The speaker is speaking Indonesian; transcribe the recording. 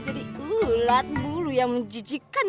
jadi ulat bulu yang menjijikan